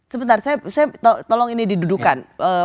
sebentar saya tolong ini didudukan